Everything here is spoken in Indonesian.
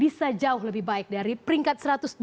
bisa jauh lebih baik dari peringkat satu ratus dua puluh